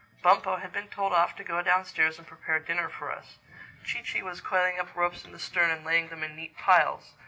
Bumpo had been told off to go downstairs and prepare dinner for us. Chee Chee was coiling up ropes in the stern and laying them in neat piles.